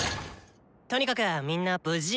とにかくみんな無事？